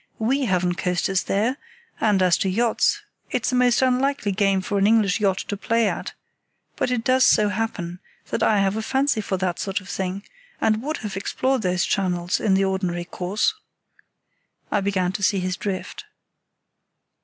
We haven't coasters there; and, as to yachts, it's a most unlikely game for an English yacht to play at; but it does so happen that I have a fancy for that sort of thing and would have explored those channels in the ordinary course." I began to see his drift.